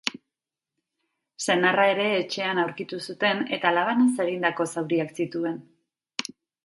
Senarra ere etxean aurkitu zuten, eta labanaz egindako zauriak zituen.